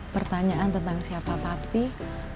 pertanyaan tentang siapa papih